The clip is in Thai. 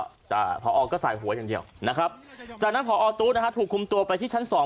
อ่าพอก็ใส่หัวอย่างเดียวนะครับจากนั้นพอตู้นะฮะถูกคุมตัวไปที่ชั้นสอง